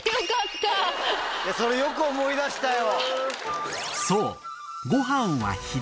それよく思い出したよ。